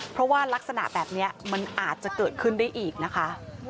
เพราะว่ารักษณะแบบนี้มันอาจจะเกิดขึ้นได้อีกนะคะ